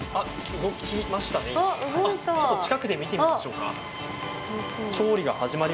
ちょっと近くで見てみましょうか。